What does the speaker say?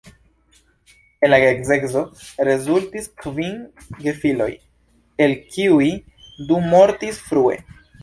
El la geedzeco rezultis kvin gefiloj, el kiuj du mortis frue.